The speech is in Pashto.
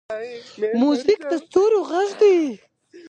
موزیک د ستوریو غږ دی.